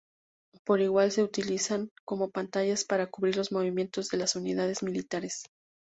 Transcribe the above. Por igual se utilizan como pantallas para cubrir los movimientos de las unidades militares.